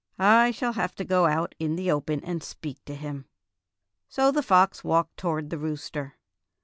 I shall have to go out in the open and speak to him." So the fox walked toward the rooster.